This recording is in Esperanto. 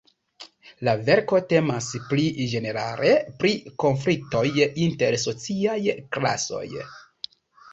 La verko temas pli ĝenerale pri konfliktoj inter sociaj klasoj.